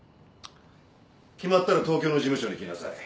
決まったら東京の事務所に来なさい。